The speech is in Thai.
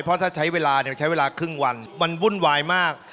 เพราะถ้าใช้เวลาเนี่ยมันใช้เวลาครึ่งวันมันวุ่นวายมาก